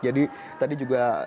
jadi tadi juga ada yang menunggu